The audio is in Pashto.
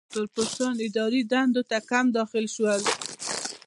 تور پوستان اداري دندو ته کم داخل شول.